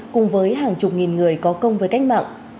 cùng với hàng chục nghìn người có công với cách mạng